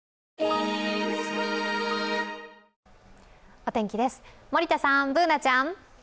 お天気です、森田さん、Ｂｏｏｎａちゃん。